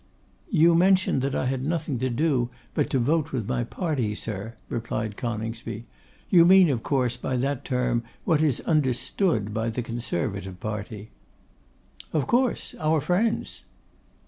'You mentioned that I had nothing to do but to vote with my party, sir,' replied Coningsby. 'You mean, of course, by that term what is understood by the Conservative party.' 'Of course; our friends.